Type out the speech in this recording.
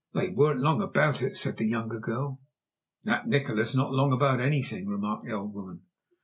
"They weren't long about it," said the younger girl. "That Nikola's not long about anything," remarked the old woman.